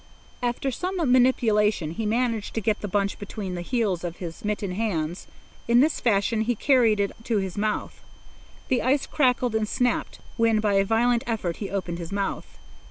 After some manipulation he managed to get the bunch between the heels of his mittened hands. In this fashion he carried it to his mouth. The ice crackled and snapped when by a violent effort he opened his mouth.